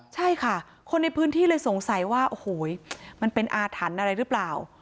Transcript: ใช่ค่ะคนในพื้นที่เลยสงสัยว่าโอ้โหมันเป็นอาถรรพ์อะไรหรือเปล่า